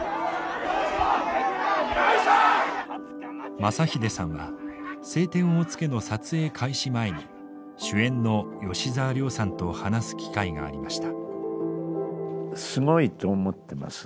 雅英さんは「青天を衝け」の撮影開始前に主演の吉沢亮さんと話す機会がありました。